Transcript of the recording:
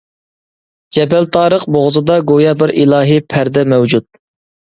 جەبىلتارىق بوغۇزىدا گويا بىر ئىلاھى پەردە مەۋجۇت.